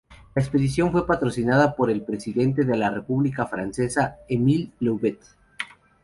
La expedición fue patrocinada por el Presidente de la República Francesa Émile Loubet.